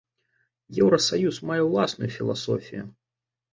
Еўрасаюз мае ўласную філасофію.